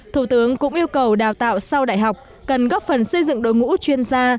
thủ tướng cũng yêu cầu đào tạo sau đại học cần góp phần xây dựng đội ngũ chuyên gia